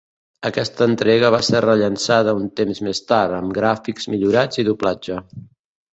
Aquesta entrega va ser rellançada un temps més tard, amb gràfics millorats i doblatge.